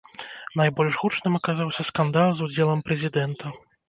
Найбольш гучным аказаўся скандал з удзелам прэзідэнта.